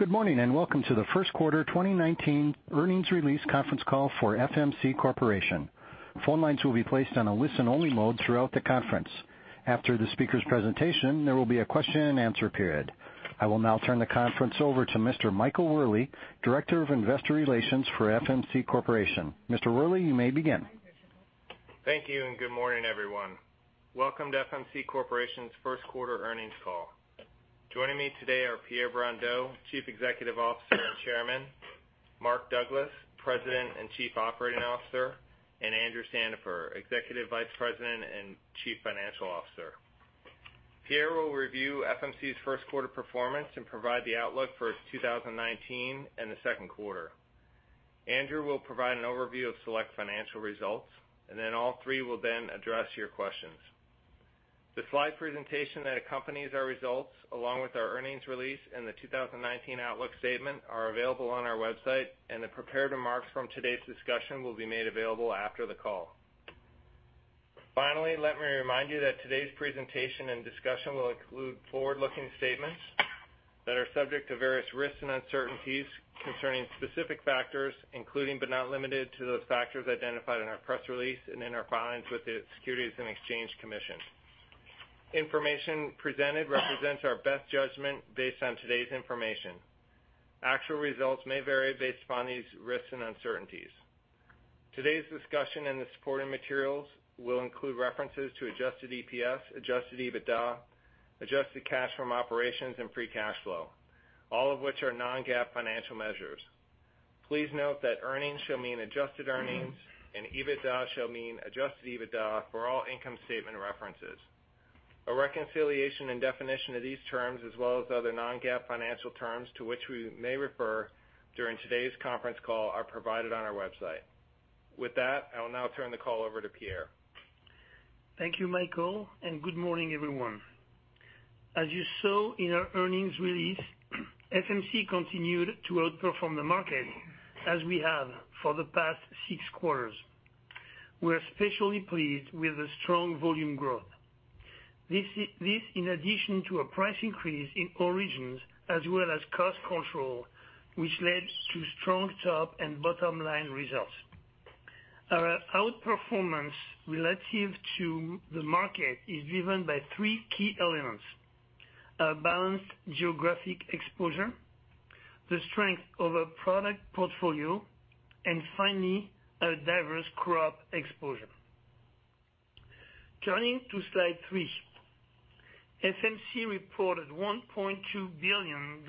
Good morning, welcome to the first quarter 2019 earnings release conference call for FMC Corporation. Phone lines will be placed on a listen-only mode throughout the conference. After the speaker's presentation, there will be a question and answer period. I will now turn the conference over to Mr. Michael Wherley, Director of Investor Relations for FMC Corporation. Mr. Wherley, you may begin. Thank you, good morning, everyone. Welcome to FMC Corporation's first quarter earnings call. Joining me today are Pierre Brondeau, Chief Executive Officer and Chairman, Mark Douglas, President and Chief Operating Officer, and Andrew Sandifer, Executive Vice President and Chief Financial Officer. Pierre will review FMC's first quarter performance and provide the outlook for 2019 and the second quarter. Andrew will provide an overview of select financial results, and then all three will then address your questions. The slide presentation that accompanies our results, along with our earnings release and the 2019 outlook statement, are available on our website, and the prepared remarks from today's discussion will be made available after the call. Finally, let me remind you that today's presentation and discussion will include forward-looking statements that are subject to various risks and uncertainties concerning specific factors, including but not limited to those factors identified in our press release and in our filings with the Securities and Exchange Commission. Information presented represents our best judgment based on today's information. Actual results may vary based upon these risks and uncertainties. Today's discussion and the supporting materials will include references to adjusted EPS, adjusted EBITDA, adjusted cash from operations, and free cash flow, all of which are non-GAAP financial measures. Please note that earnings shall mean adjusted earnings, and EBITDA shall mean adjusted EBITDA for all income statement references. A reconciliation and definition of these terms, as well as other non-GAAP financial terms to which we may refer during today's conference call, are provided on our website. With that, I will now turn the call over to Pierre. Thank you, Michael, and good morning, everyone. As you saw in our earnings release, FMC continued to outperform the market as we have for the past 6 quarters. We are especially pleased with the strong volume growth. This in addition to a price increase in all regions, as well as cost control, which led to strong top and bottom-line results. Our outperformance relative to the market is driven by three key elements: a balanced geographic exposure, the strength of a product portfolio, and finally, a diverse crop exposure. Turning to slide three. FMC reported $1.2 billion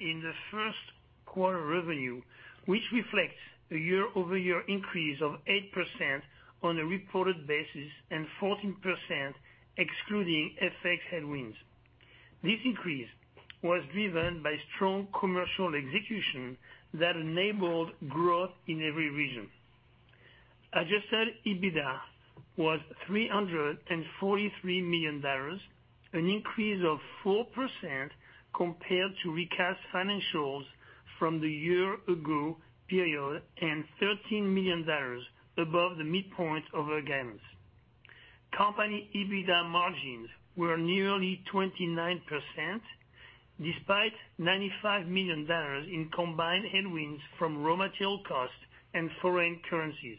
in the first quarter revenue, which reflects a year-over-year increase of 8% on a reported basis and 14% excluding FX headwinds. This increase was driven by strong commercial execution that enabled growth in every region. Adjusted EBITDA was $343 million, an increase of 4% compared to recast financials from the year ago period and $13 million above the midpoint of our guidance. Company EBITDA margins were nearly 29%, despite $95 million in combined headwinds from raw material costs and foreign currencies.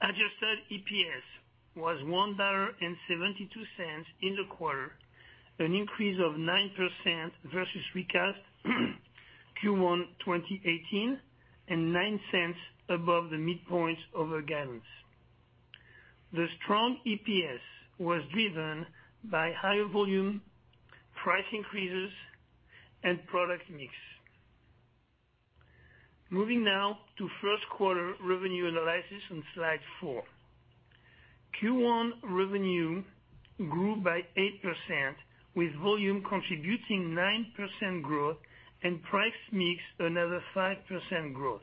Adjusted EPS was $1.72 in the quarter, an increase of 9% versus recast Q1 2018, and $0.09 above the midpoint of our guidance. The strong EPS was driven by higher volume, price increases, and product mix. Moving now to first quarter revenue analysis on slide four. Q1 revenue grew by 8%, with volume contributing 9% growth and price mix another 5% growth,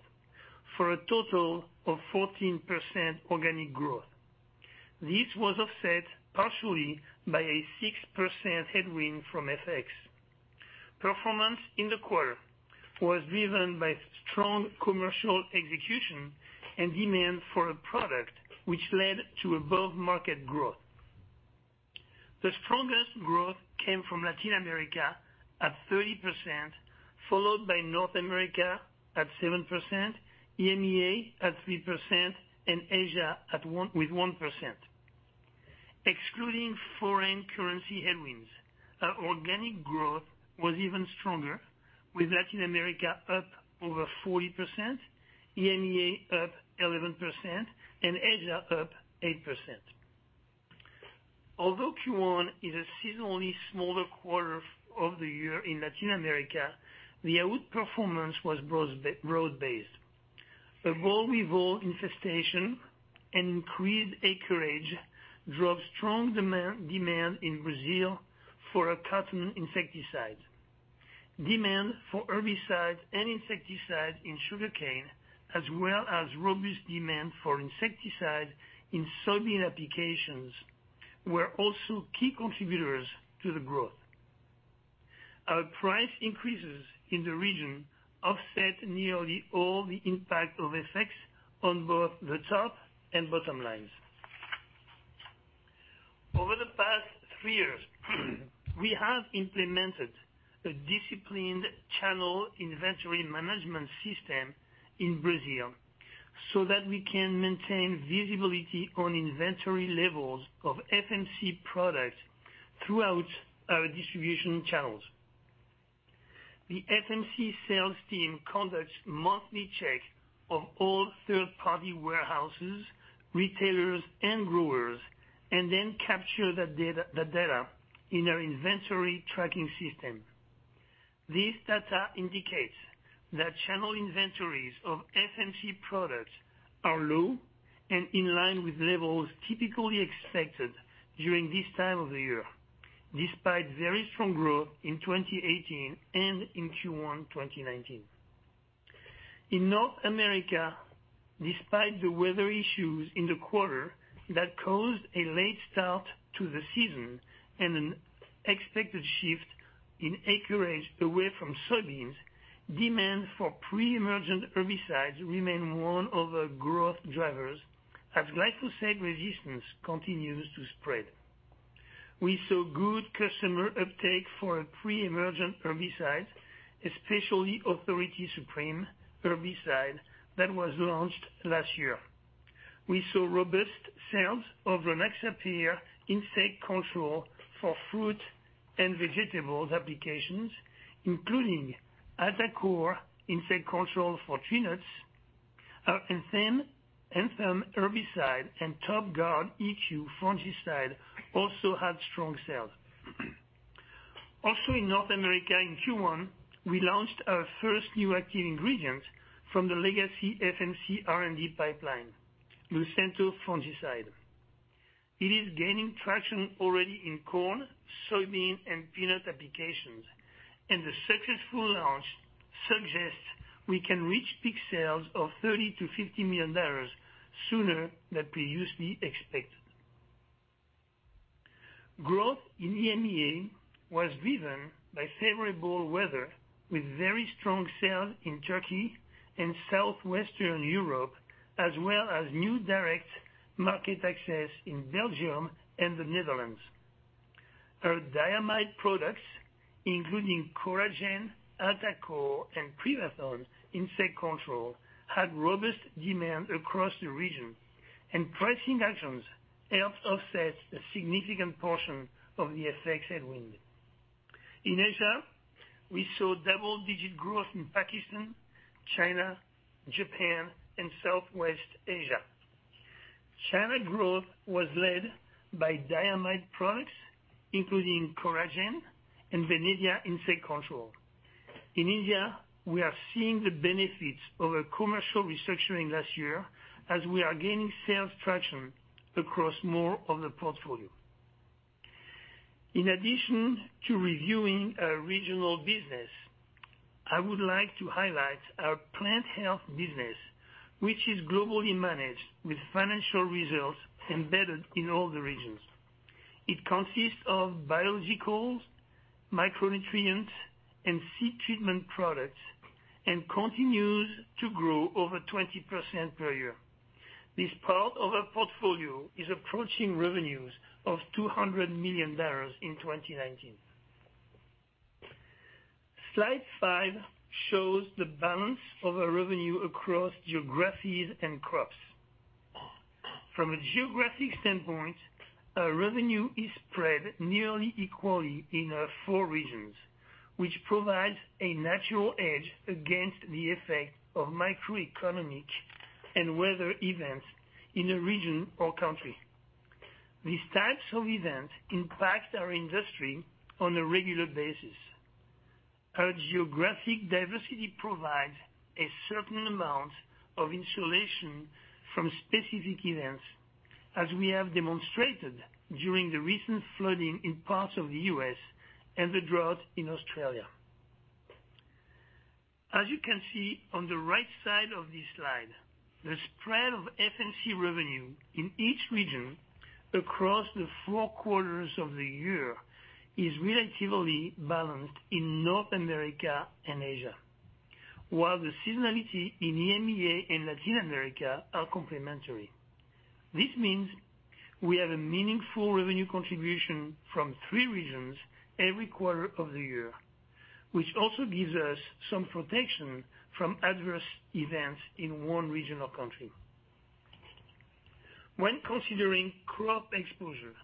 for a total of 14% organic growth. This was offset partially by a 6% headwind from FX. Performance in the quarter was driven by strong commercial execution and demand for a product which led to above-market growth. The strongest growth came from Latin America at 30%, followed by North America at 7%, EMEA at 3%, and Asia with 1%. Excluding foreign currency headwinds, our organic growth was even stronger, with Latin America up over 40%, EMEA up 11%, and Asia up 8%. Although Q1 is a seasonally smaller quarter of the year in Latin America, the outperformance was broad-based. A boll weevil infestation and increased acreage drove strong demand in Brazil for a cotton insecticide. Demand for herbicides and insecticides in sugarcane, as well as robust demand for insecticides in soybean applications, were also key contributors to the growth. Our price increases in the region offset nearly all the impact of FX on both the top and bottom lines. Over the past three years, we have implemented a disciplined channel inventory management system in Brazil so that we can maintain visibility on inventory levels of FMC products throughout our distribution channels. The FMC sales team conducts monthly checks of all third-party warehouses, retailers, and growers, and then capture the data in our inventory tracking system. This data indicates that channel inventories of FMC products are low and in line with levels typically expected during this time of the year, despite very strong growth in 2018 and in Q1 2019. In North America, despite the weather issues in the quarter that caused a late start to the season and an expected shift in acreage away from soybeans, demand for pre-emergent herbicides remain one of the growth drivers, as glyphosate resistance continues to spread. We saw good customer uptake for pre-emergent herbicides, especially Authority Supreme herbicide that was launched last year. We saw robust sales of Ronstar insect control for fruit and vegetables applications, including Altacor insect control for peanuts. Our Anthem herbicide and Topguard EQ fungicide also had strong sales. Also in North America in Q1, we launched our first new active ingredient from the legacy FMC R&D pipeline, Lucento fungicide. It is gaining traction already in corn, soybean, and peanut applications, and the successful launch suggests we can reach peak sales of $30 million-$50 million sooner than previously expected. Growth in EMEA was driven by favorable weather with very strong sales in Turkey and Southwestern Europe, as well as new direct market access in Belgium and the Netherlands. Our diamide products, including Coragen, Altacor, and Prevathon insect control, had robust demand across the region, and pricing actions helped offset a significant portion of the FX headwind. In Asia, we saw double-digit growth in Pakistan, China, Japan, and Southwest Asia. China growth was led by diamide products, including Coragen and Benevia insect control. In India, we are seeing the benefits of a commercial restructuring last year as we are gaining sales traction across more of the portfolio. In addition to reviewing our regional business, I would like to highlight our plant health business, which is globally managed with financial results embedded in all the regions. It consists of biologicals, micronutrients, and seed treatment products, and continues to grow over 20% per year. This part of our portfolio is approaching revenues of $200 million in 2019. Slide five shows the balance of our revenue across geographies and crops. From a geographic standpoint, our revenue is spread nearly equally in our four regions, which provides a natural edge against the effect of macroeconomic and weather events in a region or country. These types of events impact our industry on a regular basis. Our geographic diversity provides a certain amount of insulation from specific events, as we have demonstrated during the recent flooding in parts of the U.S. and the drought in Australia. As you can see on the right side of this slide, the spread of FMC revenue in each region across the four quarters of the year is relatively balanced in North America and Asia, while the seasonality in EMEA and Latin America are complementary. This means we have a meaningful revenue contribution from three regions every quarter of the year, which also gives us some protection from adverse events in one region or country. When considering crop exposure,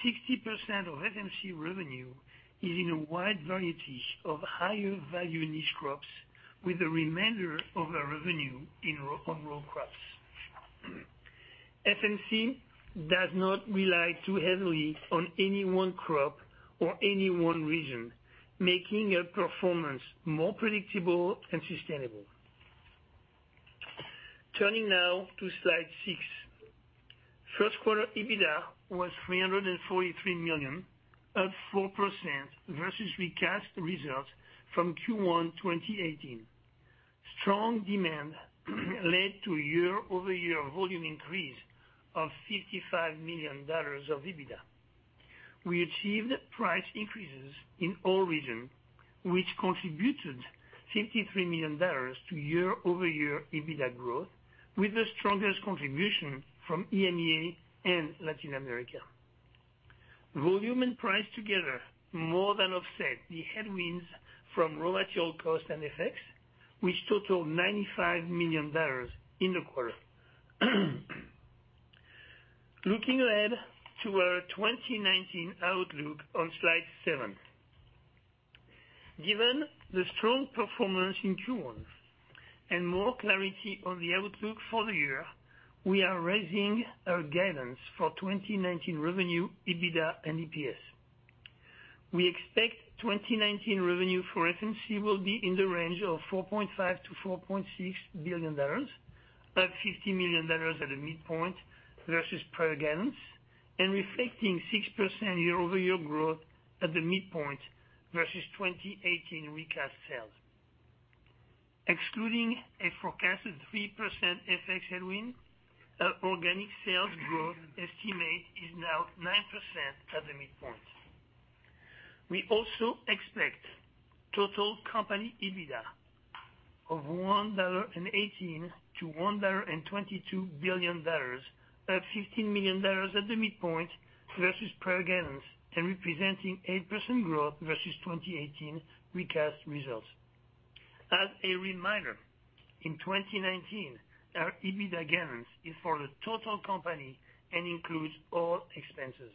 60% of FMC revenue is in a wide variety of higher value niche crops with the remainder of our revenue on row crops. FMC does not rely too heavily on any one crop or any one region, making our performance more predictable and sustainable. Turning now to slide six. First quarter EBITDA was $343 million, up 4% versus recast results from Q1 2018. Strong demand led to year-over-year volume increase of $55 million of EBITDA. We achieved price increases in all regions, which contributed $53 million to year-over-year EBITDA growth, with the strongest contribution from EMEA and Latin America. Volume and price together more than offset the headwinds from raw material costs and effects, which total $95 million in the quarter. Looking ahead to our 2019 outlook on slide seven. Given the strong performance in Q1 and more clarity on the outlook for the year, we are raising our guidance for 2019 revenue, EBITDA, and EPS. We expect 2019 revenue for FMC will be in the range of $4.5 billion-$4.6 billion, up $50 million at the midpoint versus prior guidance and reflecting 6% year-over-year growth at the midpoint versus 2018 recast sales. Excluding a forecasted 3% FX headwind, our organic sales growth estimate is now 9% at the midpoint. We also expect total company EBITDA of $1.18 billion-$1.22 billion, up $15 million at the midpoint versus prior guidance and representing 8% growth versus 2018 recast results. As a reminder, in 2019, our EBITDA guidance is for the total company and includes all expenses.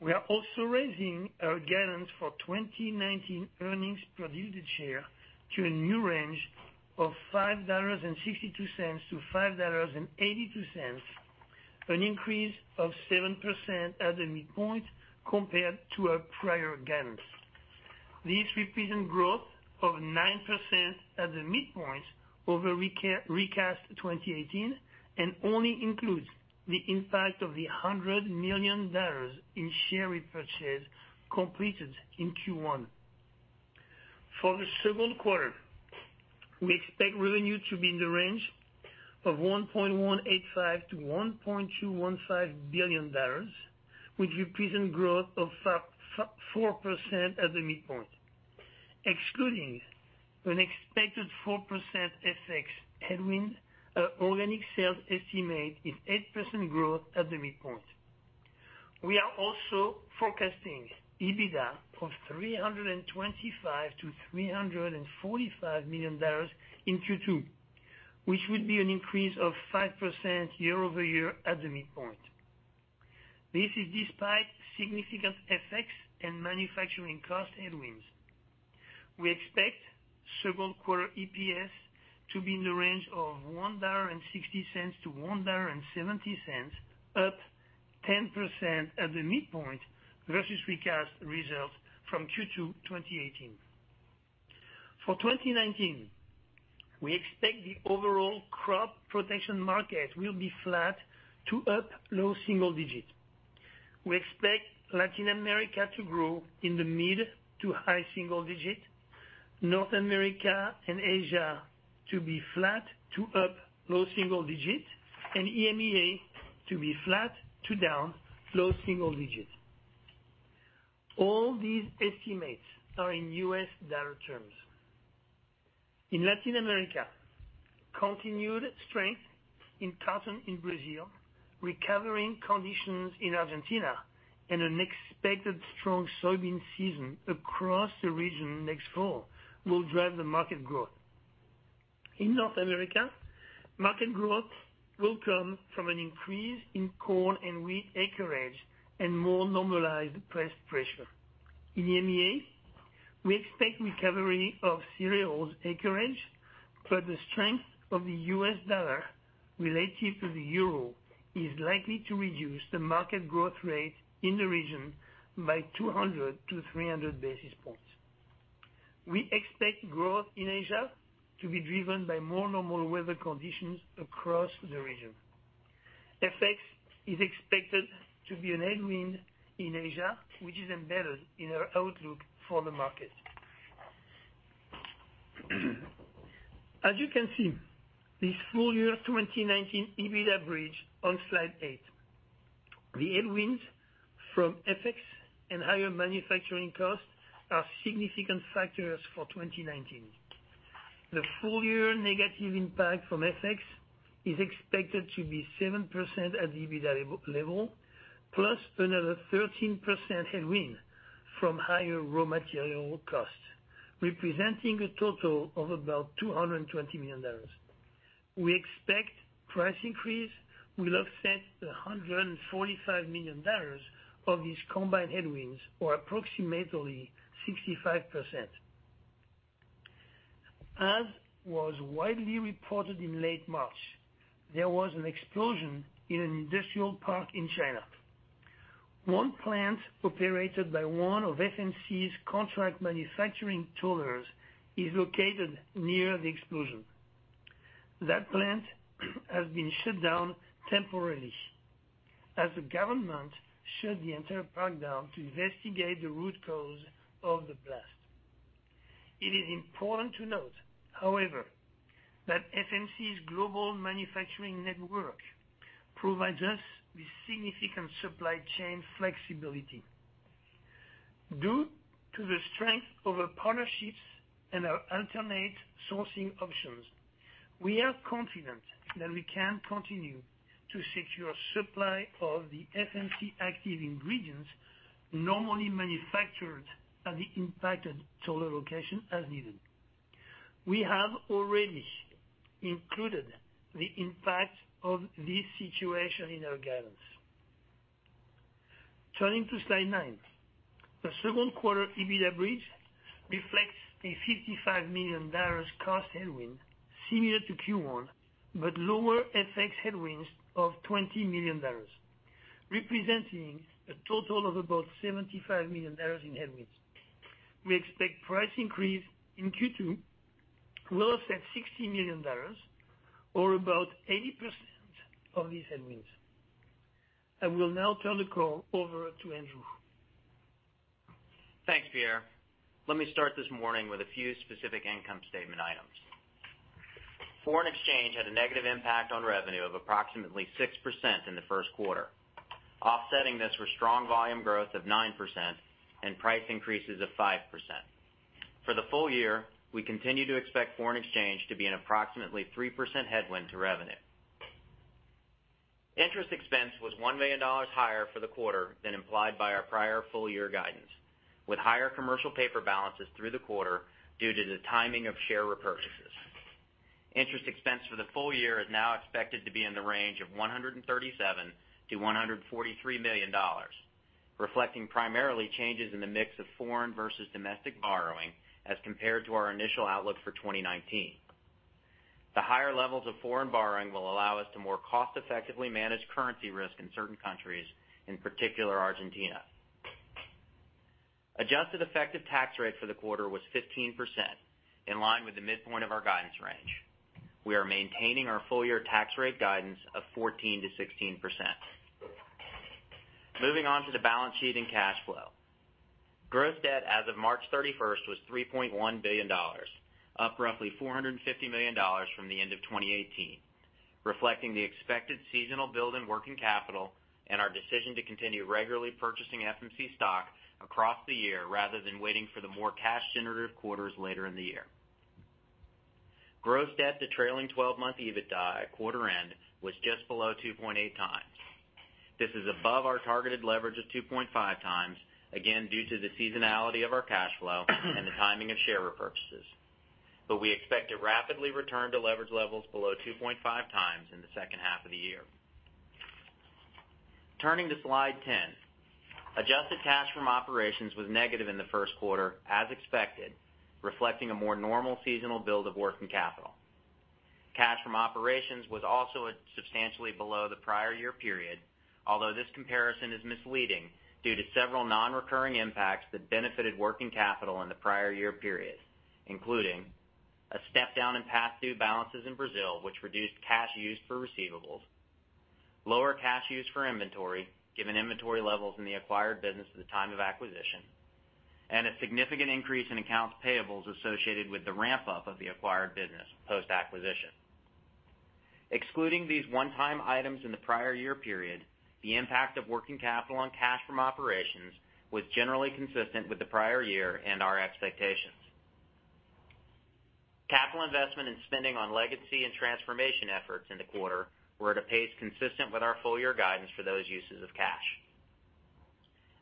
We are also raising our guidance for 2019 earnings per diluted share to a new range of $5.62-$5.82, an increase of 7% at the midpoint compared to our prior guidance. These represent growth of 9% at the midpoint over recast 2018 and only includes the impact of the $100 million in share repurchase completed in Q1. For the second quarter, we expect revenue to be in the range of $1.185 billion-$1.215 billion, which represent growth of 4% at the midpoint. Excluding an expected 4% FX headwind, our organic sales estimate is 8% growth at the midpoint. We are also forecasting EBITDA of $325 million-$345 million in Q2, which would be an increase of 5% year-over-year at the midpoint. This is despite significant FX and manufacturing cost headwinds. We expect second quarter EPS to be in the range of $1.60-$1.70, up 10% at the midpoint versus recast results from Q2 2018. For 2019, we expect the overall crop protection market will be flat to up low single digits. We expect Latin America to grow in the mid to high single digits, North America and Asia to be flat to up low single digits, and EMEA to be flat to down low single digits. All these estimates are in U.S. dollar terms. In Latin America, continued strength in cotton in Brazil, recovering conditions in Argentina, and an expected strong soybean season across the region next fall will drive the market growth. In North America, market growth will come from an increase in corn and wheat acreage and more normalized pest pressure. In EMEA, we expect recovery of cereals acreage, but the strength of the U.S. dollar relative to the euro is likely to reduce the market growth rate in the region by 200 to 300 basis points. We expect growth in Asia to be driven by more normal weather conditions across the region. FX is expected to be a headwind in Asia, which is embedded in our outlook for the market. As you can see, this full year 2019 EBITDA bridge on slide eight. The headwinds from FX and higher manufacturing costs are significant factors for 2019. The full year negative impact from FX is expected to be 7% at the EBITDA level, plus another 13% headwind from higher raw material costs, representing a total of about $220 million. We expect price increase will offset the $145 million of these combined headwinds or approximately 65%. As was widely reported in late March, there was an explosion in an industrial park in China. One plant operated by one of FMC's contract manufacturing toolers is located near the explosion. That plant has been shut down temporarily as the government shut the entire plant down to investigate the root cause of the blast. It is important to note, however, that FMC's global manufacturing network provides us with significant supply chain flexibility. Due to the strength of our partnerships and our alternate sourcing options, we are confident that we can continue to secure supply of the FMC active ingredients normally manufactured at the impacted Toller location as needed. We have already included the impact of this situation in our guidance. Turning to slide nine. The second quarter EBITDA bridge reflects the $55 million cost headwind similar to Q1, but lower FX headwinds of $20 million, representing a total of about $75 million in headwinds. We expect price increase in Q2 will offset $60 million or about 80% of these headwinds. I will now turn the call over to Andrew. Thanks, Pierre. Let me start this morning with a few specific income statement items. Foreign exchange had a negative impact on revenue of approximately 6% in the first quarter. Offsetting this were strong volume growth of 9% and price increases of 5%. For the full year, we continue to expect foreign exchange to be an approximately 3% headwind to revenue. Interest expense was $1 million higher for the quarter than implied by our prior full year guidance, with higher commercial paper balances through the quarter due to the timing of share repurchases. Interest expense for the full year is now expected to be in the range of $137 million to $143 million, reflecting primarily changes in the mix of foreign versus domestic borrowing as compared to our initial outlook for 2019. The higher levels of foreign borrowing will allow us to more cost effectively manage currency risk in certain countries, in particular Argentina. Adjusted effective tax rate for the quarter was 15%, in line with the midpoint of our guidance range. We are maintaining our full year tax rate guidance of 14%-16%. Moving on to the balance sheet and cash flow. Gross debt as of March 31st was $3.1 billion, up roughly $450 million from the end of 2018, reflecting the expected seasonal build in working capital and our decision to continue regularly purchasing FMC stock across the year rather than waiting for the more cash-generative quarters later in the year. Gross debt to trailing 12-month EBITDA at quarter end was just below 2.8 times. This is above our targeted leverage of 2.5 times, again, due to the seasonality of our cash flow and the timing of share repurchases. We expect to rapidly return to leverage levels below 2.5 times in the second half of the year. Turning to slide 10, adjusted cash from operations was negative in the first quarter, as expected, reflecting a more normal seasonal build of working capital. Cash from operations was also substantially below the prior year period, although this comparison is misleading due to several non-recurring impacts that benefited working capital in the prior year period, including a step down in pass-through balances in Brazil, which reduced cash used for receivables, lower cash used for inventory given inventory levels in the acquired business at the time of acquisition, and a significant increase in accounts payables associated with the ramp-up of the acquired business post-acquisition. Excluding these one-time items in the prior year period, the impact of working capital on cash from operations was generally consistent with the prior year and our expectations. Capital investment and spending on legacy and transformation efforts in the quarter were at a pace consistent with our full year guidance for those uses of cash.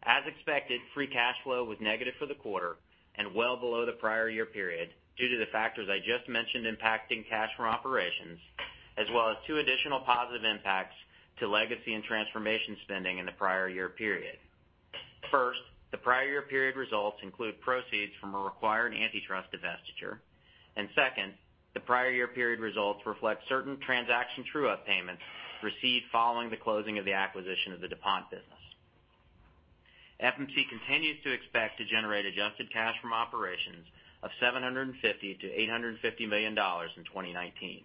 As expected, free cash flow was negative for the quarter and well below the prior year period due to the factors I just mentioned impacting cash from operations, as well as two additional positive impacts to legacy and transformation spending in the prior year period. First, the prior year period results include proceeds from a required antitrust divestiture, and second, the prior year period results reflect certain transaction true-up payments received following the closing of the acquisition of the DuPont business. FMC continues to expect to generate adjusted cash from operations of $750 million to $850 million in 2019.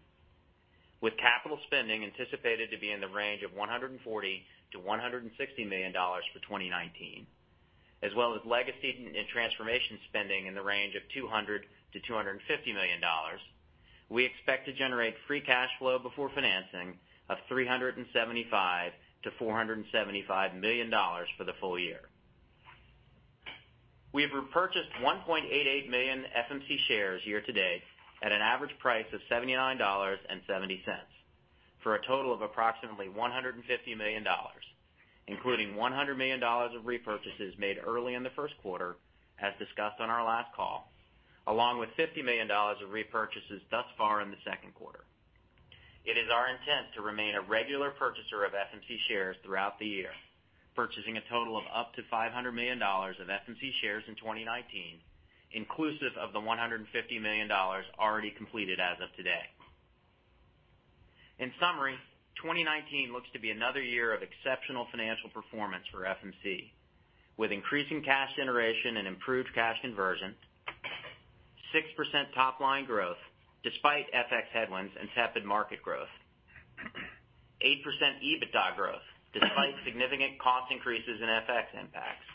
With capital spending anticipated to be in the range of $140 million to $160 million for 2019, as well as legacy and transformation spending in the range of $200 million to $250 million, we expect to generate free cash flow before financing of $375 million to $475 million for the full year. We have repurchased 1.88 million FMC shares year to date at an average price of $79.70 for a total of approximately $150 million, including $100 million of repurchases made early in the first quarter, as discussed on our last call, along with $50 million of repurchases thus far in the second quarter. It is our intent to remain a regular purchaser of FMC shares throughout the year, purchasing a total of up to $500 million of FMC shares in 2019, inclusive of the $150 million already completed as of today. In summary, 2019 looks to be another year of exceptional financial performance for FMC, with increasing cash generation and improved cash conversion, 6% top-line growth despite FX headwinds and tepid market growth, 8% EBITDA growth despite significant cost increases in FX impacts,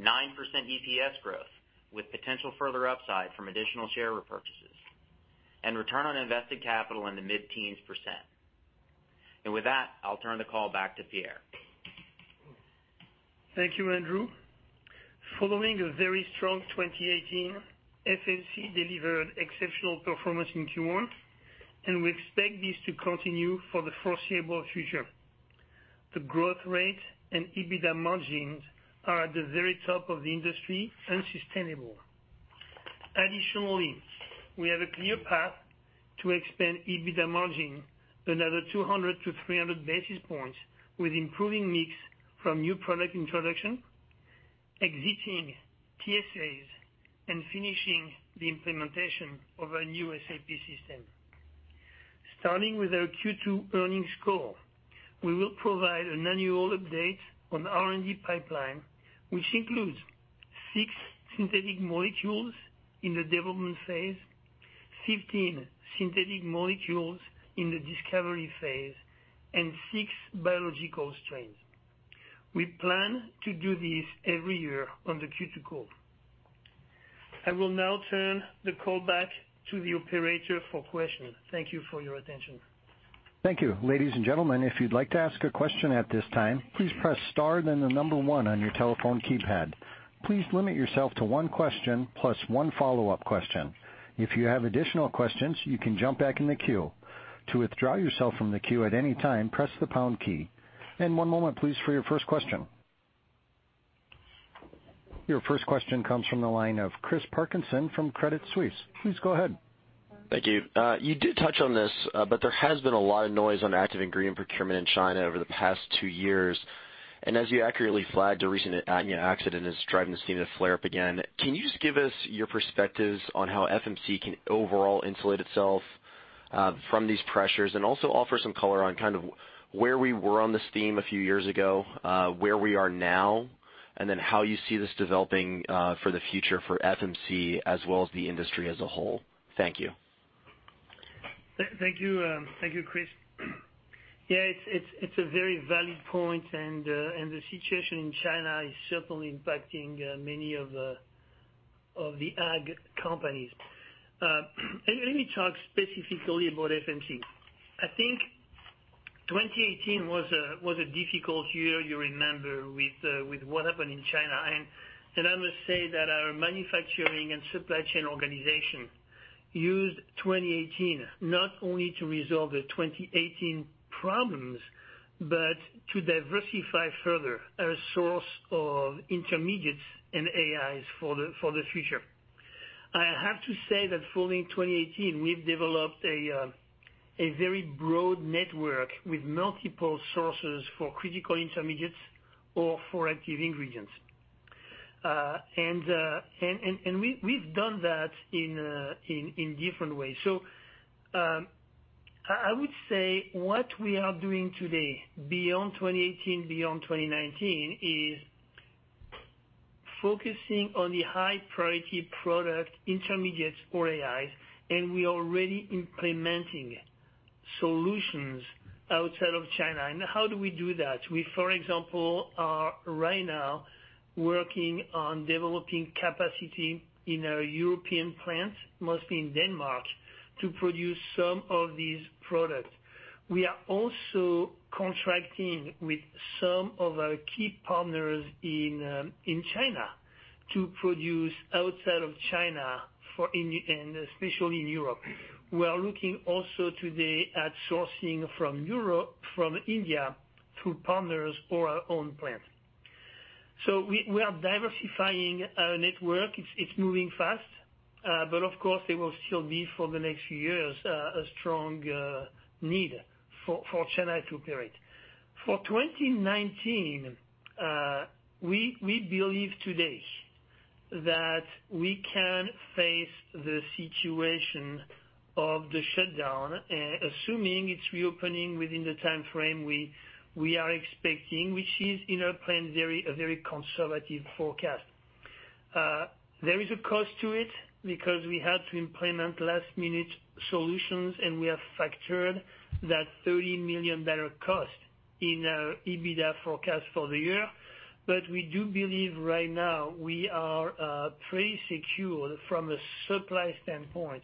9% EPS growth with potential further upside from additional share repurchases, and return on invested capital in the mid-teens%. With that, I'll turn the call back to Pierre. Thank you, Andrew. Following a very strong 2018, FMC delivered exceptional performance in Q1, and we expect this to continue for the foreseeable future. The growth rate and EBITDA margins are at the very top of the industry and sustainable. Additionally, we have a clear path to expand EBITDA margin another 200 to 300 basis points with improving mix from new product introduction, exiting TSAs, and finishing the implementation of our new SAP system. Starting with our Q2 earnings call, we will provide an annual update on R&D pipeline, which includes six synthetic molecules in the development phase, 15 synthetic molecules in the discovery phase, and six biological strains. We plan to do this every year on the Q2 call. I will now turn the call back to the operator for questions. Thank you for your attention. Thank you. Ladies and gentlemen, if you'd like to ask a question at this time, please press star then the number one on your telephone keypad. Please limit yourself to one question plus one follow-up question. If you have additional questions, you can jump back in the queue. To withdraw yourself from the queue at any time, press the pound key. One moment, please, for your first question. Your first question comes from the line of Chris Parkinson from Credit Suisse. Please go ahead. Thank you. You did touch on this, but there has been a lot of noise on active ingredient procurement in China over the past two years. As you accurately flagged, the recent Yancheng accident is driving this theme to flare up again. Can you just give us your perspectives on how FMC can overall insulate itself from these pressures? Also offer some color on where we were on this theme a few years ago, where we are now, and how you see this developing for the future for FMC as well as the industry as a whole. Thank you. Thank you. Thank you, Chris. Yeah, it's a very valid point, and the situation in China is certainly impacting many of the ag companies. Let me talk specifically about FMC. I think 2018 was a difficult year, you remember, with what happened in China. I must say that our manufacturing and supply chain organization used 2018 not only to resolve the 2018 problems, but to diversify further our source of intermediates and AIs for the future. I have to say that following 2018, we've developed a very broad network with multiple sources for critical intermediates or for active ingredients. We've done that in different ways. I would say what we are doing today, beyond 2018, beyond 2019, is focusing on the high priority product intermediates or AIs, and we are already implementing solutions outside of China. How do we do that? We, for example, are right now working on developing capacity in our European plant, mostly in Denmark, to produce some of these products. We are also contracting with some of our key partners in China to produce outside of China, and especially in Europe. We are looking also today at sourcing from Europe, from India, through partners or our own plant. We are diversifying our network. It's moving fast. Of course, there will still be, for the next few years, a strong need for China to operate. For 2019, we believe today that we can face the situation of the shutdown, assuming it's reopening within the timeframe we are expecting, which is in our plan a very conservative forecast. There is a cost to it because we had to implement last-minute solutions, and we have factored that $30 million cost in our EBITDA forecast for the year. We do believe right now we are pretty secure from a supply standpoint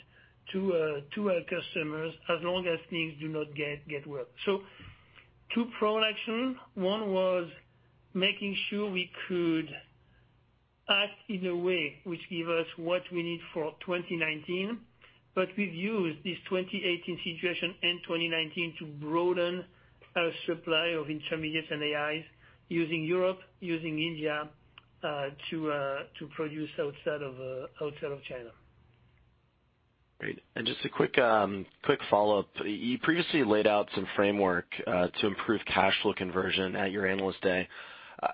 to our customers as long as things do not get worse. Two productions. One was making sure we could act in a way which give us what we need for 2019. We've used this 2018 situation and 2019 to broaden our supply of intermediates and AIs using Europe, using India, to produce outside of China. Great. Just a quick follow-up. You previously laid out some framework to improve cash flow conversion at your Analyst Day.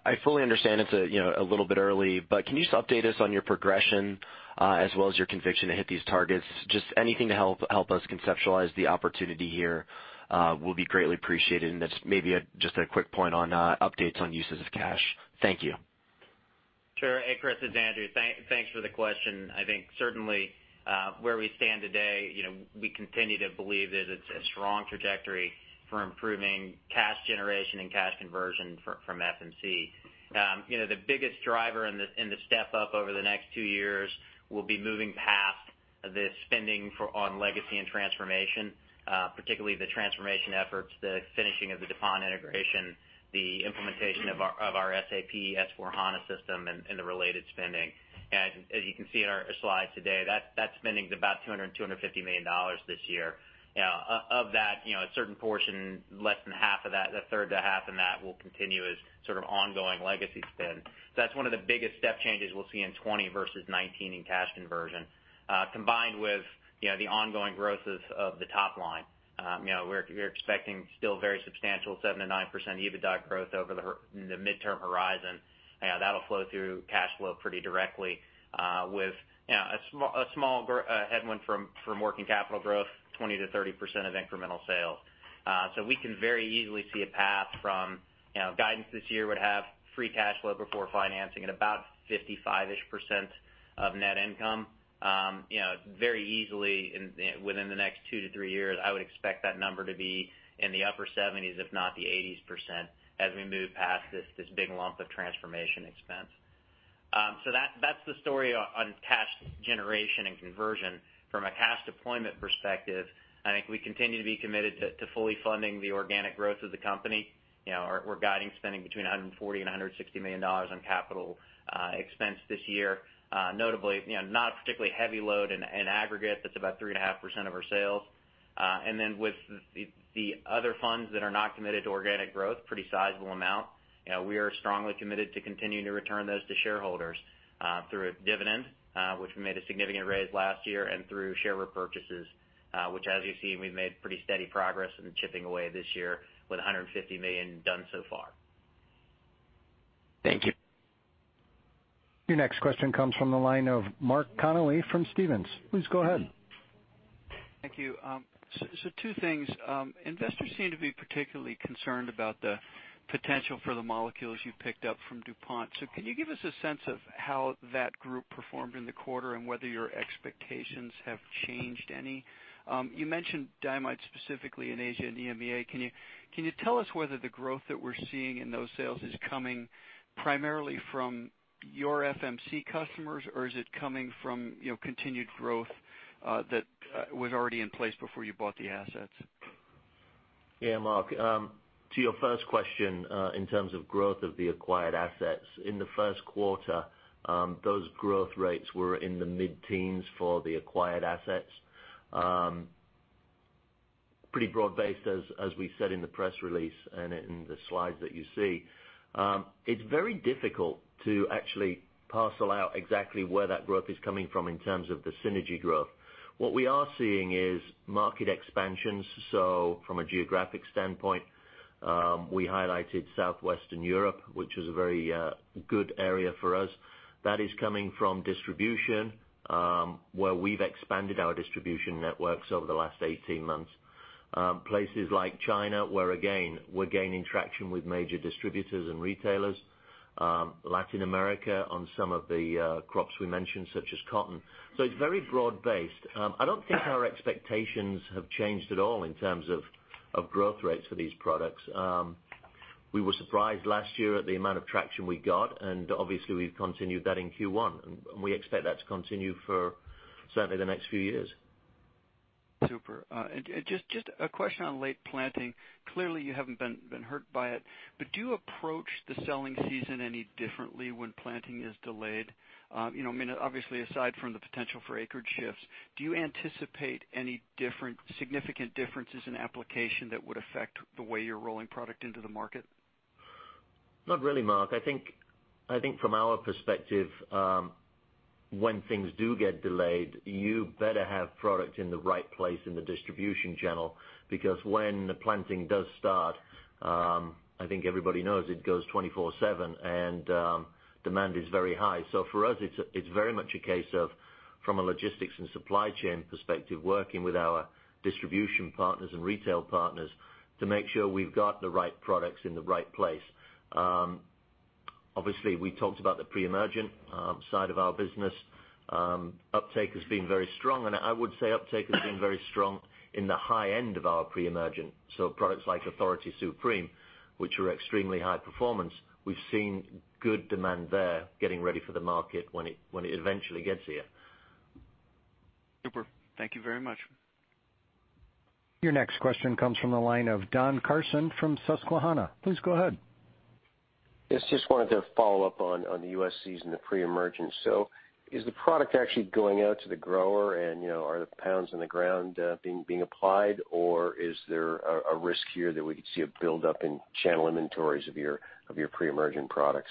I fully understand it's a little bit early, can you just update us on your progression as well as your conviction to hit these targets? Just anything to help us conceptualize the opportunity here will be greatly appreciated, maybe just a quick point on updates on uses of cash. Thank you. Sure. Hey, Chris, it's Andrew. Thanks for the question. I think certainly where we stand today, we continue to believe that it's a strong trajectory for improving cash generation and cash conversion from FMC. The biggest driver in the step up over the next two years will be moving past the spending on legacy and transformation, particularly the transformation efforts, the finishing of the DuPont integration, the implementation of our SAP S/4HANA system, and the related spending. As you can see in our slides today, that spending's about $200 million, $250 million this year. Of that, a certain portion, less than half of that, a third to half in that will continue as sort of ongoing legacy spend. That's one of the biggest step changes we'll see in 2020 versus 2019 in cash conversion. Combined with the ongoing growth of the top line. We're expecting still very substantial 7%-9% EBITDA growth over the midterm horizon. That'll flow through cash flow pretty directly with a small headwind from working capital growth, 20%-30% of incremental sales. We can very easily see a path from guidance this year would have free cash flow before financing at about 55-ish% of net income. Very easily within the next two to three years, I would expect that number to be in the upper 70s%, if not the 80s% as we move past this big lump of transformation expense. That's the story on cash generation and conversion. From a cash deployment perspective, I think we continue to be committed to fully funding the organic growth of the company. We're guiding spending between $140 million-$160 million on capital expense this year. Notably, not a particularly heavy load in aggregate. That's about 3.5% of our sales. With the other funds that are not committed to organic growth, pretty sizable amount, we are strongly committed to continuing to return those to shareholders through a dividend, which we made a significant raise last year, and through share repurchases which as you've seen, we've made pretty steady progress in chipping away this year with $150 million done so far. Thank you. Your next question comes from the line of Mark Connelly from Stephens. Please go ahead. Thank you. Two things. Investors seem to be particularly concerned about the potential for the molecules you picked up from DuPont. Can you give us a sense of how that group performed in the quarter and whether your expectations have changed any? You mentioned diamide specifically in Asia and EMEA. Can you tell us whether the growth that we're seeing in those sales is coming primarily from your FMC customers, or is it coming from continued growth that was already in place before you bought the assets? Yeah, Mark. To your first question, in terms of growth of the acquired assets. In the first quarter, those growth rates were in the mid-teens for the acquired assets. Pretty broad-based as we said in the press release and in the slides that you see. It's very difficult to actually parcel out exactly where that growth is coming from in terms of the synergy growth. What we are seeing is market expansions. From a geographic standpoint, we highlighted Southwestern Europe, which is a very good area for us. That is coming from distribution, where we've expanded our distribution networks over the last 18 months. Places like China, where again, we're gaining traction with major distributors and retailers. Latin America on some of the crops we mentioned, such as cotton. It's very broad based. I don't think our expectations have changed at all in terms of growth rates for these products. We were surprised last year at the amount of traction we got, and obviously we've continued that in Q1, and we expect that to continue for certainly the next few years. Super. Just a question on late planting. Clearly, you haven't been hurt by it, do you approach the selling season any differently when planting is delayed? Obviously, aside from the potential for acreage shifts, do you anticipate any significant differences in application that would affect the way you're rolling product into the market? Not really, Mark. I think from our perspective, when things do get delayed, you better have product in the right place in the distribution channel because when the planting does start, I think everybody knows it goes 24/7 and demand is very high. For us, it's very much a case of, from a logistics and supply chain perspective, working with our distribution partners and retail partners to make sure we've got the right products in the right place. Obviously, we talked about the pre-emergent side of our business. Uptake has been very strong, and I would say uptake has been very strong in the high end of our pre-emergent. Products like Authority Supreme, which are extremely high performance. We've seen good demand there getting ready for the market when it eventually gets here. Super. Thank you very much. Your next question comes from the line of Don Carson from Susquehanna. Please go ahead. Yes, just wanted to follow up on the U.S. season, the pre-emergents. Is the product actually going out to the grower and are the pounds in the ground being applied or is there a risk here that we could see a buildup in channel inventories of your pre-emergent products?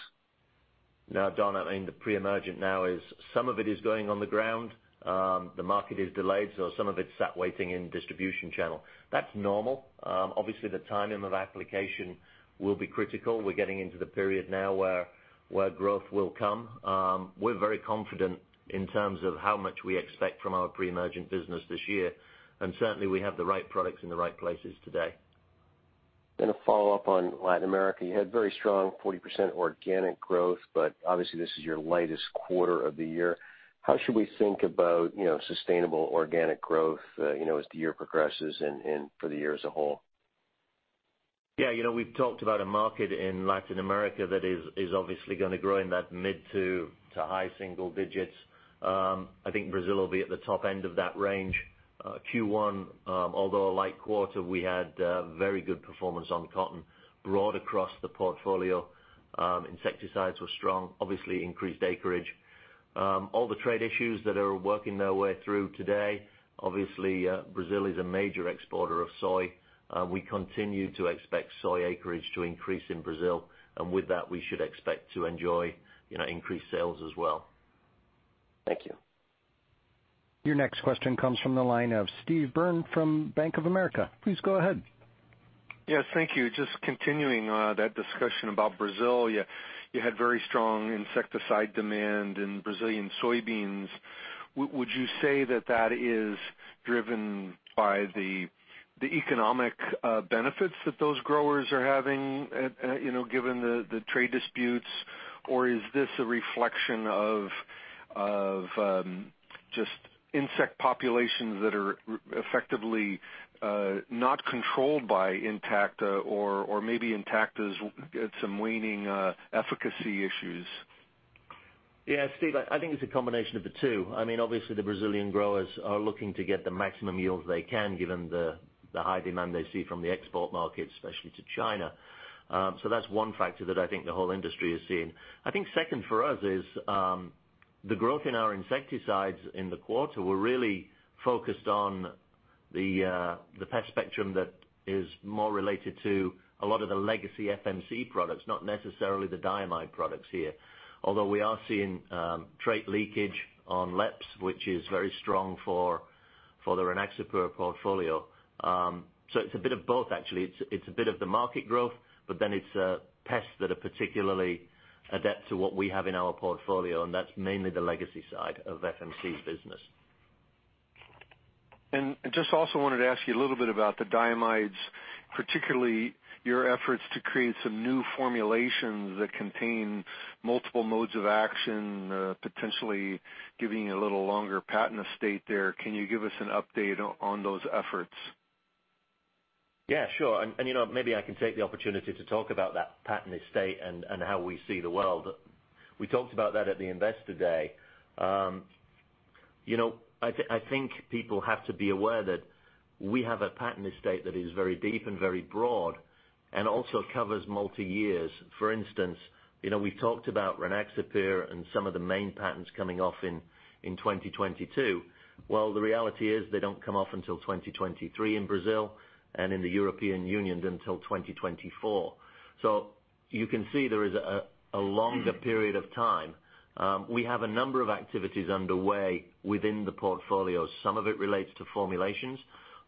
No, Don, I mean, the pre-emergent now is some of it is going on the ground. The market is delayed, some of it is sat waiting in distribution channel. That's normal. Obviously, the timing of application will be critical. We're getting into the period now where growth will come. We're very confident in terms of how much we expect from our pre-emergent business this year. Certainly, we have the right products in the right places today. A follow-up on Latin America. You had very strong 40% organic growth, obviously this is your lightest quarter of the year. How should we think about sustainable organic growth as the year progresses and for the year as a whole? We've talked about a market in Latin America that is obviously going to grow in that mid to high single digits. I think Brazil will be at the top end of that range. Q1, although a light quarter, we had very good performance on cotton broad across the portfolio. Insecticides were strong, obviously increased acreage. All the trade issues that are working their way through today. Obviously, Brazil is a major exporter of soy. We continue to expect soy acreage to increase in Brazil, with that, we should expect to enjoy increased sales as well. Thank you. Your next question comes from the line of Steve Byrne from Bank of America. Please go ahead. Yes. Thank you. Just continuing that discussion about Brazil. You had very strong insecticide demand in Brazilian soybeans. Would you say that that is driven by the economic benefits that those growers are having given the trade disputes? Or is this a reflection of just insect populations that are effectively not controlled by Intacta or maybe Intacta has got some waning efficacy issues? Yeah, Steve, I think it's a combination of the two. Obviously, the Brazilian growers are looking to get the maximum yields they can, given the high demand they see from the export market, especially to China. That's one factor that I think the whole industry is seeing. I think second for us is the growth in our insecticides in the quarter, we're really focused on the pest spectrum that is more related to a lot of the legacy FMC products, not necessarily the diamide products here. Although we are seeing trait leakage on Lepidopteran, which is very strong for the Rynaxypyr portfolio. It's a bit of both actually. It's a bit of the market growth, it's pests that are particularly adept to what we have in our portfolio, and that's mainly the legacy side of FMC's business. Just also wanted to ask you a little bit about the diamides, particularly your efforts to create some new formulations that contain multiple modes of action, potentially giving you a little longer patent estate there. Can you give us an update on those efforts? Yeah, sure. Maybe I can take the opportunity to talk about that patent estate and how we see the world. We talked about that at the investor day. I think people have to be aware that we have a patent estate that is very deep and very broad and also covers multi-years. For instance, we talked about Rynaxypyr and some of the main patents coming off in 2022. The reality is they don't come off until 2023 in Brazil and in the European Union until 2024. You can see there is a longer period of time. We have a number of activities underway within the portfolio. Some of it relates to formulations.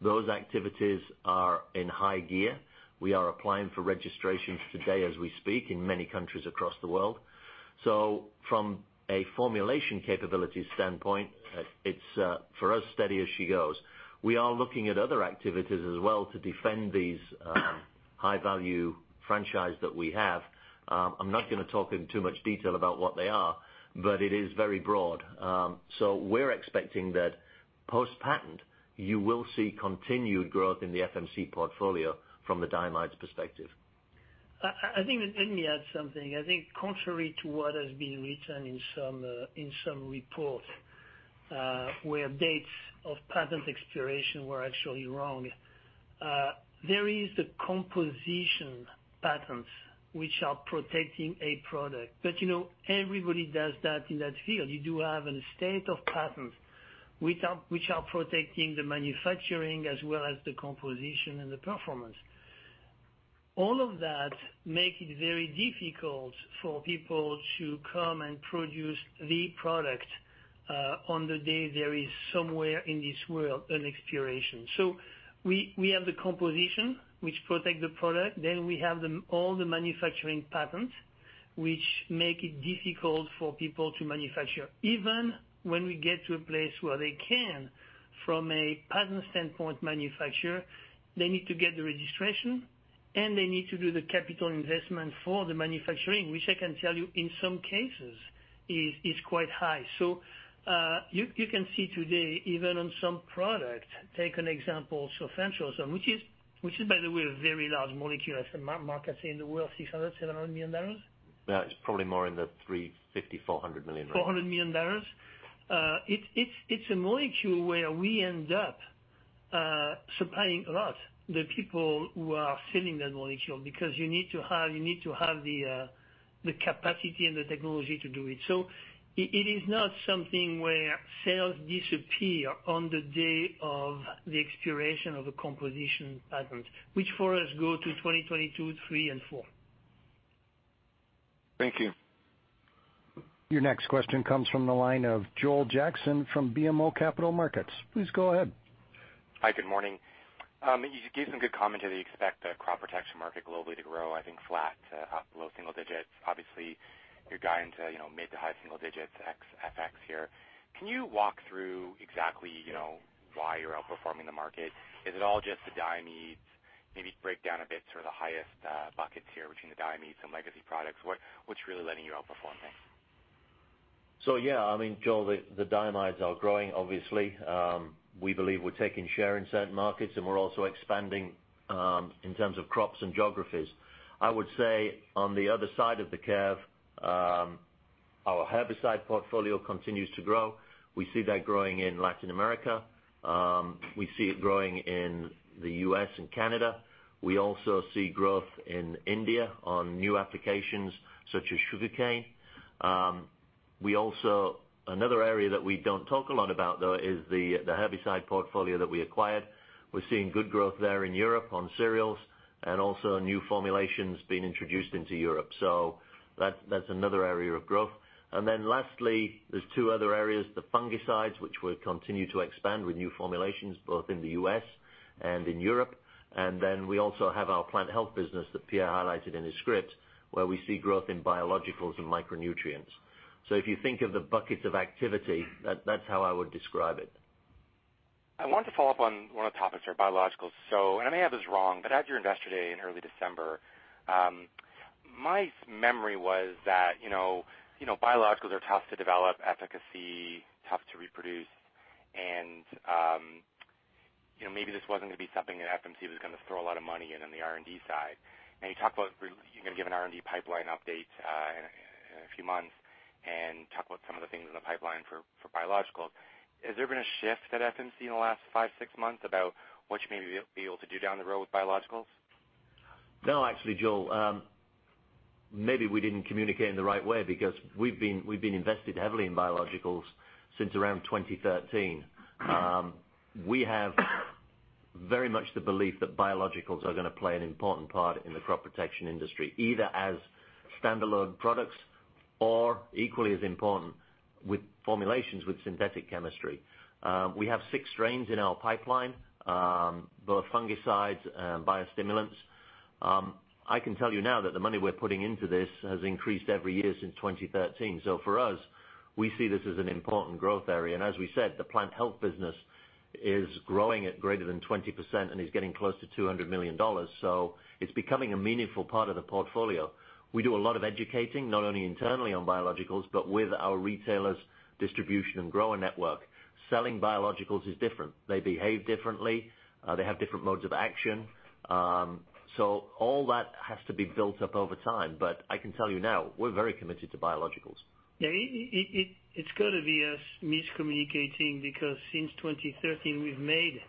Those activities are in high gear. We are applying for registrations today as we speak in many countries across the world. From a formulation capability standpoint, it's for us, steady as she goes. We are looking at other activities as well to defend these high-value franchise that we have. I'm not going to talk in too much detail about what they are, but it is very broad. We're expecting that post-patent, you will see continued growth in the FMC portfolio from the diamide perspective. I think, let me add something. I think contrary to what has been written in some reports, where dates of patent expiration were actually wrong. There is the composition patents which are protecting a product, everybody does that in that field. You do have a state of patents which are protecting the manufacturing as well as the composition and the performance. All of that make it very difficult for people to come and produce the product on the day there is somewhere in this world an expiration. We have the composition which protect the product, we have all the manufacturing patents, which make it difficult for people to manufacture. Even when we get to a place where they can, from a patent standpoint, manufacture, they need to get the registration, and they need to do the capital investment for the manufacturing, which I can tell you in some cases is quite high. You can see today, even on some product, take an example, Sulfoxaflor, which is by the way, a very large molecule as the market's in the world, $600 million, $700 million? Yeah, it's probably more in the $350 million-$400 million range. $400 million. It's a molecule where we end up supplying a lot the people who are filling that molecule because you need to have the capacity and the technology to do it. It is not something where sales disappear on the day of the expiration of a composition patent, which for us go to 2022, 2023 and 2024. Thank you. Your next question comes from the line of Joel Jackson from BMO Capital Markets. Please go ahead. Hi, good morning. You gave some good commentary. You expect the crop protection market globally to grow, I think flat to low single digits. Obviously, your guidance made the high single digits ex FX here. Can you walk through exactly why you're outperforming the market? Is it all just the diamides? Maybe break down a bit sort of the highest buckets here between the diamides and legacy products. What's really letting you outperform things? Yeah. Joel, the diamides are growing, obviously. We believe we're taking share in certain markets, and we're also expanding in terms of crops and geographies. I would say on the other side of the curve, our herbicide portfolio continues to grow. We see that growing in Latin America. We see it growing in the U.S. and Canada. We also see growth in India on new applications such as sugarcane. Another area that we don't talk a lot about, though, is the herbicide portfolio that we acquired. We're seeing good growth there in Europe on cereals, and also new formulations being introduced into Europe. That's another area of growth. Lastly, there's two other areas, the fungicides, which we'll continue to expand with new formulations both in the U.S. and in Europe. We also have our plant health business that Pierre highlighted in his script, where we see growth in biologicals and micronutrients. If you think of the buckets of activity, that's how I would describe it. I wanted to follow up on one of the topics, your biologicals. I may have this wrong, but at your Investor Day in early December, my memory was that biologicals are tough to develop efficacy, tough to reproduce, and maybe this wasn't going to be something that FMC was going to throw a lot of money in on the R&D side. Now you talked about you're going to give an R&D pipeline update in a few months and talk about some of the things in the pipeline for biologicals. Has there been a shift at FMC in the last five, six months about what you maybe will be able to do down the road with biologicals? No, actually, Joel, maybe we didn't communicate in the right way because we've been invested heavily in biologicals since around 2013. We have very much the belief that biologicals are going to play an important part in the crop protection industry, either as standalone products or equally as important with formulations with synthetic chemistry. We have six strains in our pipeline, both fungicides and biostimulants. I can tell you now that the money we're putting into this has increased every year since 2013. For us, we see this as an important growth area. As we said, the plant health business is growing at greater than 20% and is getting close to $200 million. It's becoming a meaningful part of the portfolio. We do a lot of educating, not only internally on biologicals, but with our retailers, distribution, and grower network. Selling biologicals is different. They behave differently. They have different modes of action. All that has to be built up over time. I can tell you now, we're very committed to biologicals. Yeah, it's got to be us miscommunicating because since 2013, we've made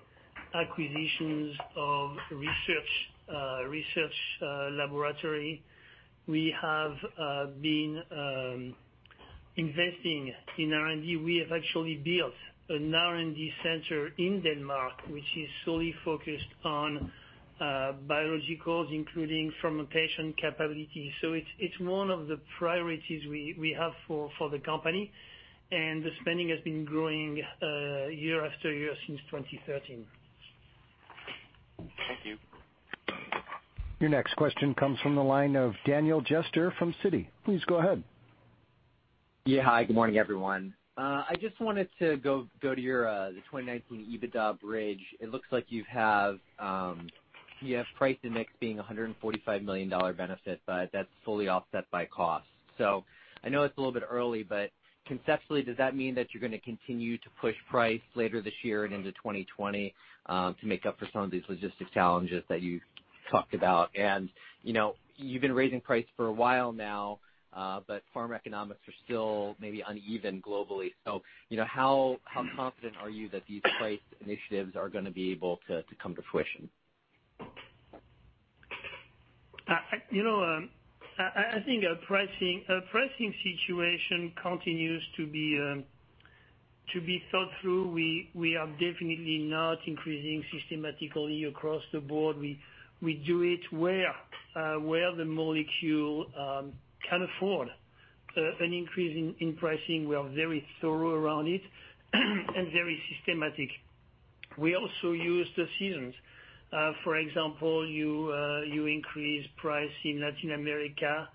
acquisitions of research laboratory. We have been investing in R&D. We have actually built an R&D center in Denmark, which is solely focused on biologicals, including fermentation capability. It's one of the priorities we have for the company. The spending has been growing year after year since 2013. Thank you. Your next question comes from the line of Daniel Jester from Citi. Please go ahead. Yeah. Hi, good morning, everyone. I just wanted to go to your 2019 EBITDA bridge. It looks like you have price and mix being $145 million benefit, but that's fully offset by cost. I know it's a little bit early, but conceptually, does that mean that you're going to continue to push price later this year and into 2020 to make up for some of these logistic challenges that you talked about? You've been raising price for a while now, but farm economics are still maybe uneven globally. How confident are you that these price initiatives are going to be able to come to fruition? I think our pricing situation continues to be thought through. We are definitely not increasing systematically across the board. We do it where the molecule can afford an increase in pricing. We are very thorough around it and very systematic. We also use the seasons. For example, you increase price in Latin America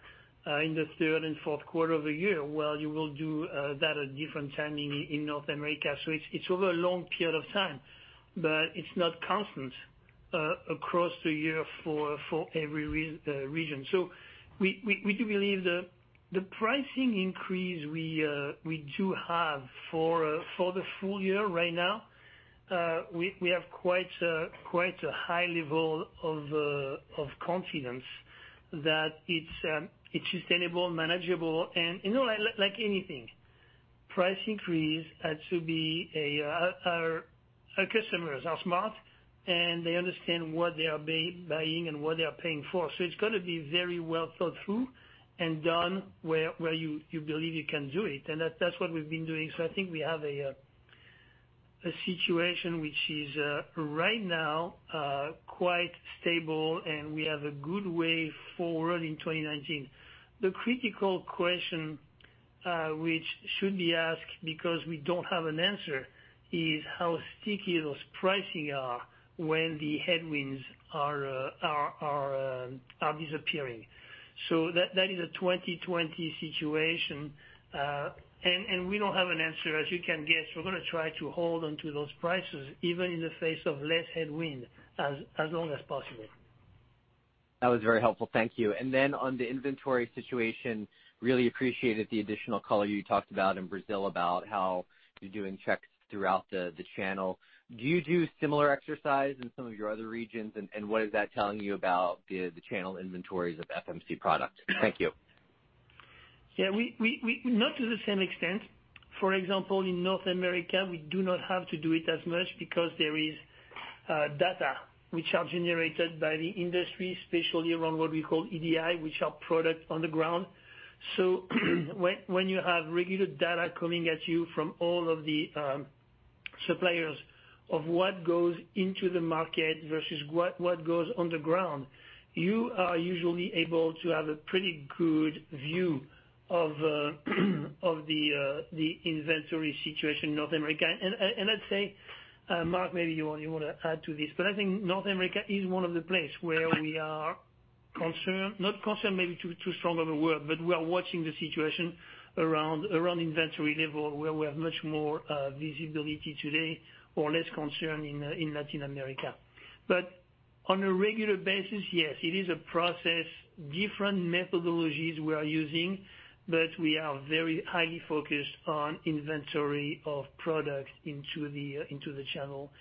in the third and fourth quarter of the year, while you will do that at different timing in North America. It's over a long period of time, but it's not constant across the year for every region. We do believe the pricing increase we do have for the full year right now, we have quite a high level of confidence that it's sustainable, manageable, and like anything, Our customers are smart, and they understand what they are buying and what they are paying for. It's got to be very well thought through and done where you believe you can do it. That's what we've been doing. I think we have a situation which is right now quite stable, and we have a good way forward in 2019. The critical question, which should be asked because we don't have an answer, is how sticky those pricing are when the headwinds are disappearing. That is a 2020 situation. We don't have an answer, as you can guess. We're going to try to hold onto those prices, even in the face of less headwind, as long as possible. That was very helpful. Thank you. And then on the inventory situation, really appreciated the additional color you talked about in Brazil about how you're doing checks throughout the channel. Do you do a similar exercise in some of your other regions? And what is that telling you about the channel inventories of FMC products? Thank you. Yeah. Not to the same extent. For example, in North America, we do not have to do it as much because there is data which are generated by the industry, especially around what we call EDI, which are products on the ground. So when you have regular data coming at you from all of the suppliers of what goes into the market versus what goes on the ground, you are usually able to have a pretty good view of the inventory situation in North America. And let's say, Mark, maybe you want to add to this, but I think North America is one of the places where we are concerned. Concerned may be too strong of a word, but we are watching the situation around inventory level, where we have much more visibility today or less concern in Latin America. On a regular basis, yes, it is a process, different methodologies we are using, but we are very highly focused on inventory of products into the channel.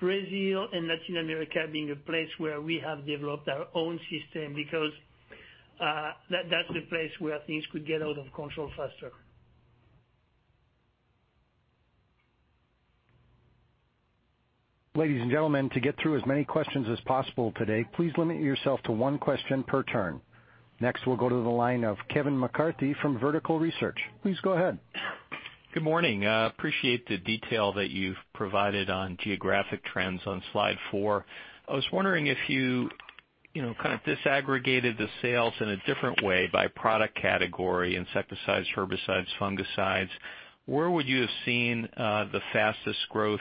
Brazil and Latin America being a place where we have developed our own system because, that's the place where things could get out of control faster. Ladies and gentlemen, to get through as many questions as possible today, please limit yourself to one question per turn. Next, we'll go to the line of Kevin McCarthy from Vertical Research. Please go ahead. Good morning. Appreciate the detail that you've provided on geographic trends on Slide four. I was wondering if you kind of disaggregated the sales in a different way by product category, insecticides, herbicides, fungicides. Where would you have seen the fastest growth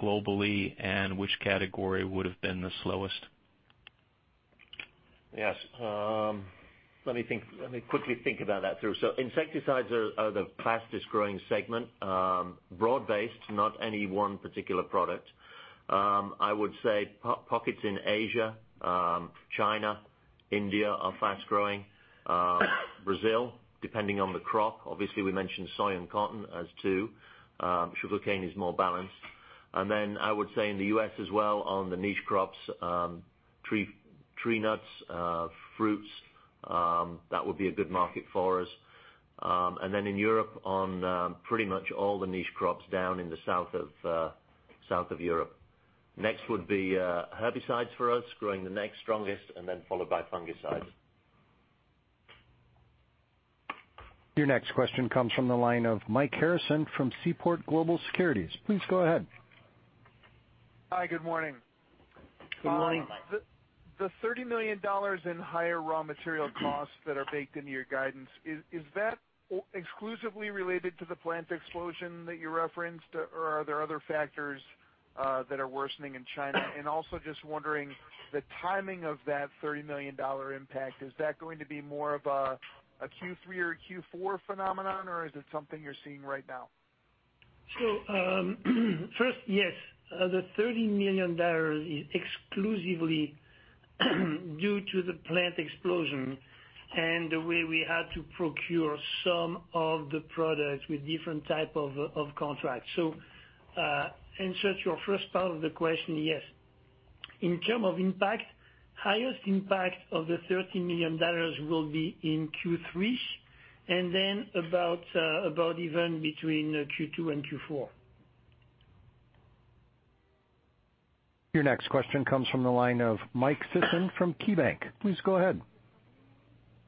globally, and which category would have been the slowest? Yes. Let me quickly think about that through. Insecticides are the fastest-growing segment. Broad-based, not any one particular product. I would say pockets in Asia, China, India are fast-growing. Brazil, depending on the crop. Obviously, we mentioned soy and cotton as two. Sugarcane is more balanced. I would say in the U.S. as well on the niche crops, tree nuts, fruits, that would be a good market for us. In Europe on pretty much all the niche crops down in the south of Europe. Next would be herbicides for us, growing the next strongest, and then followed by fungicides. Your next question comes from the line of Mike Harrison from Seaport Global Securities. Please go ahead. Hi, good morning. Good morning. Good morning, Mike. The $30 million in higher raw material costs that are baked into your guidance, is that exclusively related to the plant explosion that you referenced, or are there other factors that are worsening in China? Just wondering, the timing of that $30 million impact, is that going to be more of a Q3 or a Q4 phenomenon, or is it something you're seeing right now? First, yes, the $30 million is exclusively due to the plant explosion and the way we had to procure some of the products with different type of contracts. Answer to your first part of the question, yes. In terms of impact, highest impact of the $30 million will be in Q3, then about even between Q2 and Q4. Your next question comes from the line of Michael Sison from KeyBanc. Please go ahead.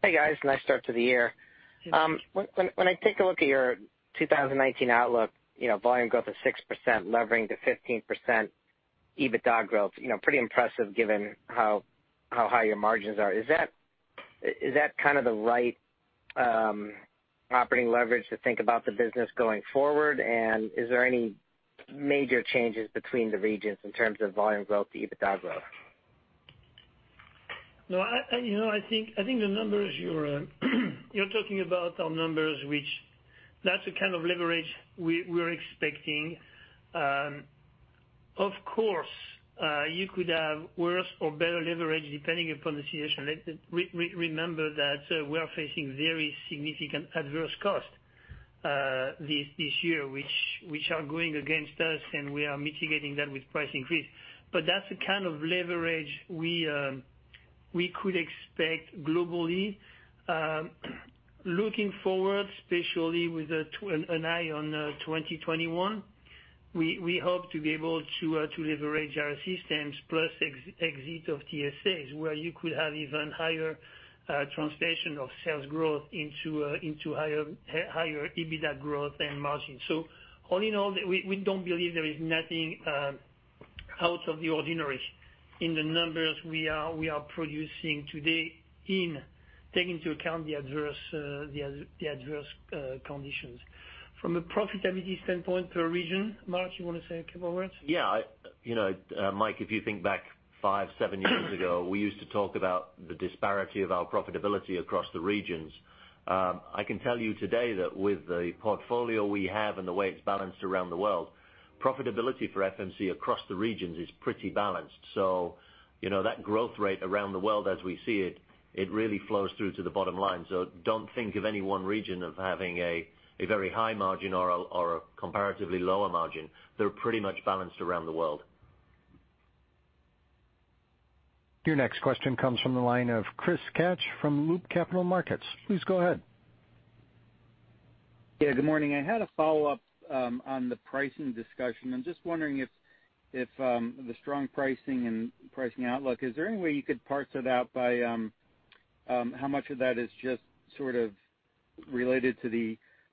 Hey, guys. Nice start to the year. When I take a look at your 2019 outlook, volume growth of 6%, levering to 15% EBITDA growth, pretty impressive given how high your margins are. Is that kind of the right operating leverage to think about the business going forward? Is there any major changes between the regions in terms of volume growth to EBITDA growth? No. I think the numbers you're talking about are numbers which that's the kind of leverage we're expecting. Of course, you could have worse or better leverage depending upon the situation. Remember that we are facing very significant adverse costs this year, which are going against us, and we are mitigating that with price increase. That's the kind of leverage we could expect globally. Looking forward, especially with an eye on 2021, we hope to be able to leverage our systems plus exit of TSAs, where you could have even higher translation of sales growth into higher EBITDA growth and margin. All in all, we don't believe there is nothing out of the ordinary in the numbers we are producing today, take into account the adverse conditions. From a profitability standpoint per region, Mark, you want to say a couple words? Yeah. Mike, if you think back five, seven years ago, we used to talk about the disparity of our profitability across the regions. I can tell you today that with the portfolio we have and the way it's balanced around the world, profitability for FMC across the regions is pretty balanced. That growth rate around the world as we see it really flows through to the bottom line. Don't think of any one region of having a very high margin or a comparatively lower margin. They're pretty much balanced around the world. Your next question comes from the line of Chris Kapsch from Loop Capital Markets. Please go ahead. Yeah, good morning. I had a follow-up on the pricing discussion. I'm just wondering if the strong pricing and pricing outlook, is there any way you could parse it out by how much of that is just sort of related to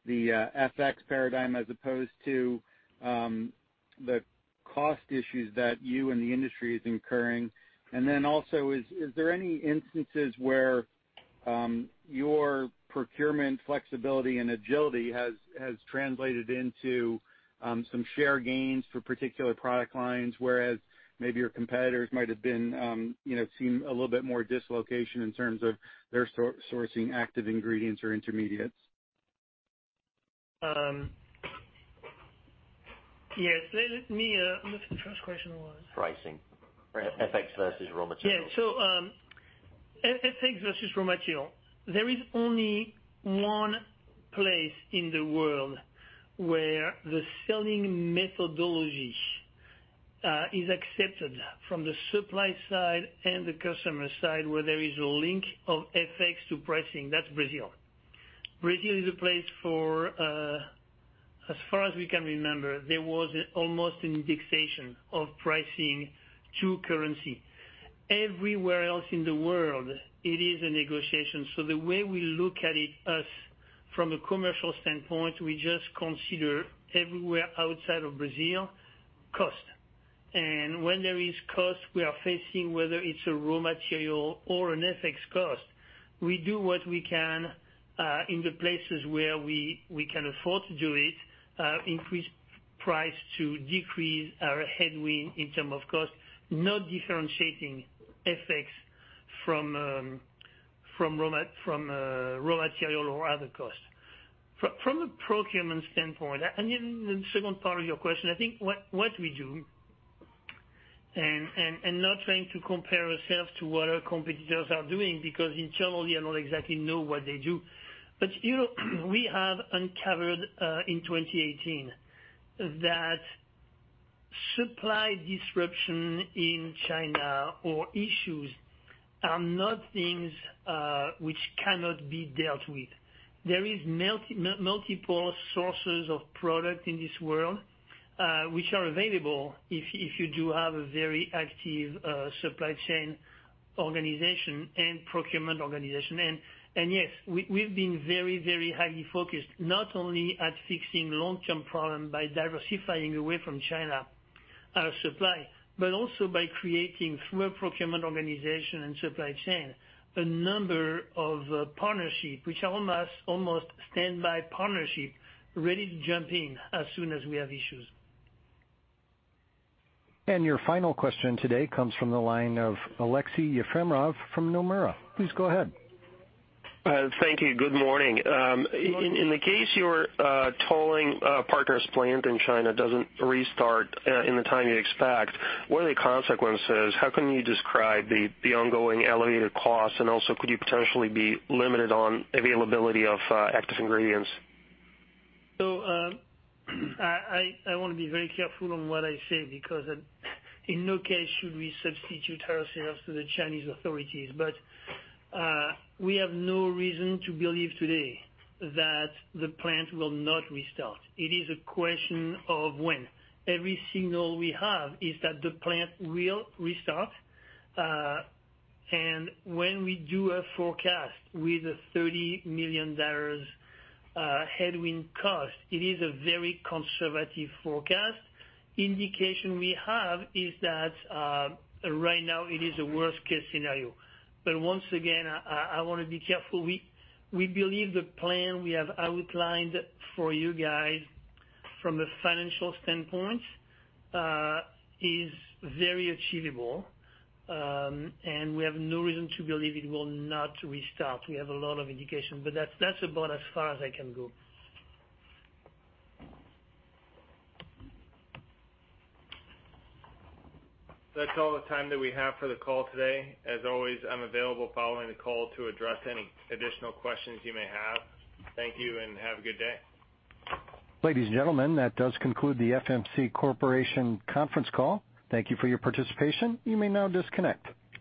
the FX paradigm as opposed to the cost issues that you and the industry is incurring? Also, is there any instances where your procurement flexibility and agility has translated into some share gains for particular product lines, whereas maybe your competitors might have seen a little bit more dislocation in terms of their sourcing active ingredients or intermediates? Yes. Let me What was the first question was? Pricing or FX versus raw material. Yeah. FX versus raw material. There is only one place in the world where the selling methodology is accepted from the supply side and the customer side, where there is a link of FX to pricing. That's Brazil. Brazil is a place for, as far as we can remember, there was almost an indexation of pricing to currency. Everywhere else in the world, it is a negotiation. The way we look at it, us, from a commercial standpoint, we just consider everywhere outside of Brazil, cost. When there is cost we are facing, whether it's a raw material or an FX cost, we do what we can, in the places where we can afford to do it, increase price to decrease our headwind in term of cost, not differentiating FX from raw material or other costs. From a procurement standpoint, the second part of your question, I think what we do, not trying to compare ourselves to what our competitors are doing, because internally I don't exactly know what they do. We have uncovered, in 2018, that supply disruption in China or issues are not things which cannot be dealt with. There is multiple sources of product in this world, which are available if you do have a very active supply chain organization and procurement organization. Yes, we've been very, very highly focused, not only at fixing long-term problem by diversifying away from China our supply, but also by creating, through a procurement organization and supply chain, a number of partnership, which are almost standby partnership, ready to jump in as soon as we have issues. Your final question today comes from the line of Aleksey Yefremov from Nomura. Please go ahead. Thank you. Good morning. Good morning. In the case your tolling partner's plant in China doesn't restart in the time you expect, what are the consequences? How can you describe the ongoing elevated costs? Also, could you potentially be limited on availability of active ingredients? I want to be very careful on what I say because in no case should we substitute ourselves to the Chinese authorities. We have no reason to believe today that the plant will not restart. It is a question of when. Every signal we have is that the plant will restart. When we do a forecast with a $30 million headwind cost, it is a very conservative forecast. Indication we have is that right now it is a worst-case scenario. Once again, I want to be careful. We believe the plan we have outlined for you guys from a financial standpoint, is very achievable, and we have no reason to believe it will not restart. We have a lot of indication. That's about as far as I can go. That's all the time that we have for the call today. As always, I'm available following the call to address any additional questions you may have. Thank you and have a good day. Ladies and gentlemen, that does conclude the FMC Corporation conference call. Thank you for your participation. You may now disconnect.